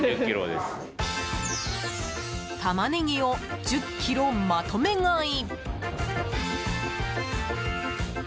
タマネギを１０ｋｇまとめ買い。